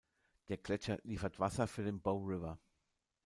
Der Gletscher liefert Wasser für den Bow River.